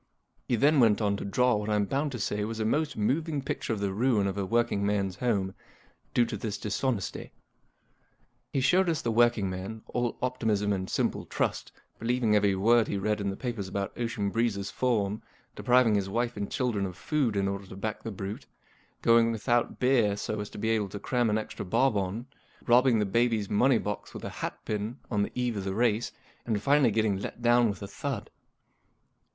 He then went on to draw what I'm bound to say was a most moving picture of the ruin of a working man's home, due to this dishonesty. He showed us the working man, all optimism and simple trust, believing every word he read in the papers about Ocean Breeze's form ; depriving his wife and children of food in order to back the brute ; going with¬ out beer so as to be able to cram an extra bob on ; robbing the baby's n.onev box with a hatpin on the eve of the race ; and finally getting let down with a thud.